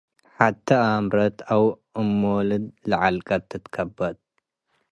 ሐቴ ኣምረት አው እም-ሞልድ ለዐልቀት ትትከበት ።